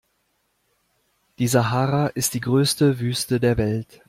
Die Sahara ist die größte Wüste der Welt.